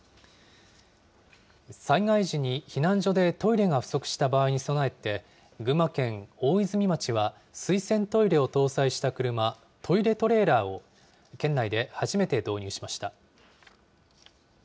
災害時に避難所でトイレが不足した場合に備えて、群馬県大泉町は水洗トイレを搭載した車、トイレトレーラーを県内で初めて導入しました。